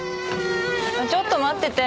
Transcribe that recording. ちょっと待ってて。